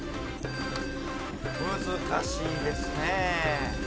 難しいですね。